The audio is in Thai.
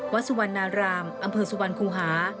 สุวรรณารามอำเภอสุวรรณคูหา